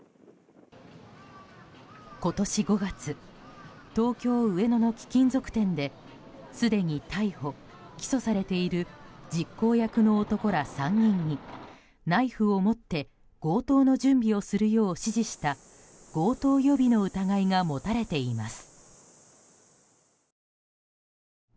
今年５月東京・上野の貴金属店ですでに逮捕・起訴されている実行役の男ら３人にナイフを持って強盗の準備をするよう指示した強盗予備の疑いが持たれています。